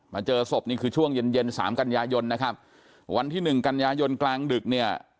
เจอศพนี่คือช่วงเย็นเย็นสามกันยายนนะครับวันที่หนึ่งกันยายนกลางดึกเนี่ย